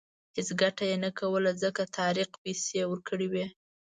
هېڅ ګټه یې نه کوله ځکه طارق پیسې ورکړې وې.